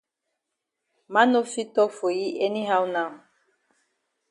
Man no fit tok for yi any how now.